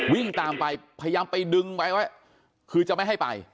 วิ่งตามไปพยายามไปดึงไปไว้คือจะไม่ให้ไป